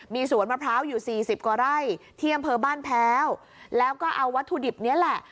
มีสวนมะพร้าวอยู่๔๐กว่าไร่เที่ยงบ้านแพ้วแล้วก็เอาวัตถุดิบนี้แหละ